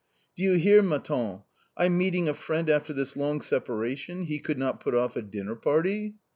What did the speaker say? Do you hear, ma tante ? meeting a friend after this long separation, he could not put off a dinner party."